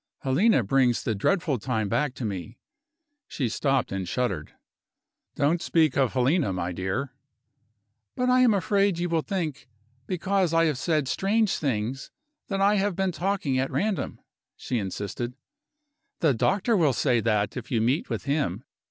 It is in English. "Helena brings the dreadful time back to me " She stopped and shuddered. "Don't speak of Helena, my dear." "But I am afraid you will think because I have said strange things that I have been talking at random," she insisted. "The doctor will say that, if you meet with him.